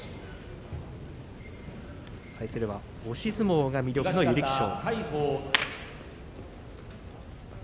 対するは押し相撲が魅力の優力勝。